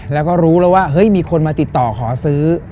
แล้วก็รู้แล้วว่าเฮ้ยมีคนมาติดต่อขอซื้อ